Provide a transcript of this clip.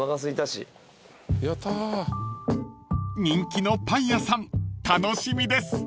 ［人気のパン屋さん楽しみです］